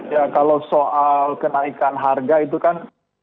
ya kalau soal kenaikan harga itu kan